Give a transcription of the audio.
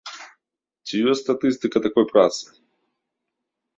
Ці ёсць статыстыка такой працы?